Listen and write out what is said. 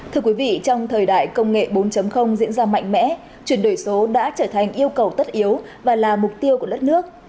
thưa quý vị trong thời đại công nghệ bốn diễn ra mạnh mẽ chuyển đổi số đã trở thành yêu cầu tất yếu và là mục tiêu của đất nước